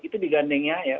itu digandingnya ya